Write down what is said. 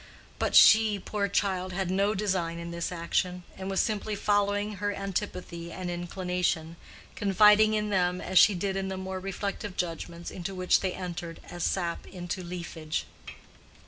But she, poor child, had no design in this action, and was simply following her antipathy and inclination, confiding in them as she did in the more reflective judgments into which they entered as sap into leafage.